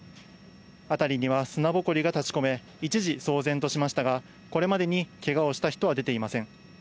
辺りには砂ぼこりが立ちこめ、一時騒然としましたが、これまでにけがをした人は出ていません。